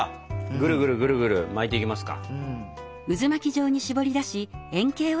ぐるぐるぐるぐる巻いていきますか。